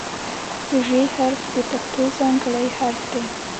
د "ژ" حرف د پښتو ځانګړی حرف دی.